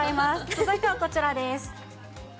続いてはこちらです。